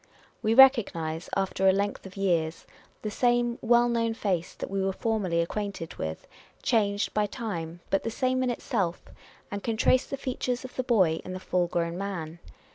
Wo recognise, after a length of years, the same well known face that we were formerly acquainted with, changed by time, but the same in itself ; and can trace the features of the boy in the full grown man.